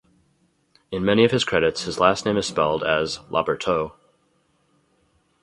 In many of his credits, his last name is spelled as "Laborteaux".